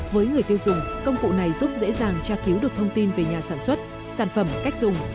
với người tiêu dùng công cụ này giúp dễ dàng tra cứu được thông tin về nhà sản xuất sản phẩm cách dùng